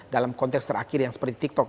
dalam konteks terakhir yang seperti tiktok